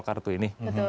kartu ini betul betul